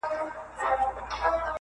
• مینه وړي یوه مقام لره هر دواړه,